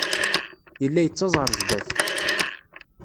Yella yettaẓ ɣer sdat.